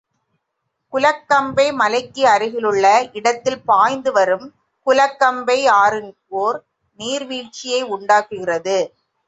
குலக்கம்பை மலைக்கு அருகிலுள்ள இடத்தில் பாய்ந்து வரும் குலக்கம்பை ஆறு ஒரு நீர்விழ்ச்சியை உண்டாக்குகிறது.